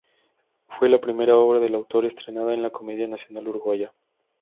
Fue la primera obra del autor estrenada en la Comedia Nacional Uruguaya.